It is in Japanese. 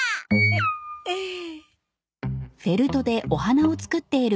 えっええ。